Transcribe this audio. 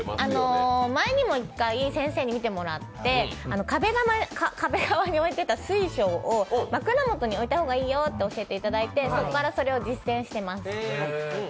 前にも１回、先生に見てもらって、壁側に置いてあった水晶を枕元に置いた方がいいよと教えていただいて、そこから実践しています。